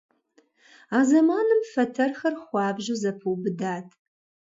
А зэманым фэтэрхэр хуабжьу зэпэубыдат.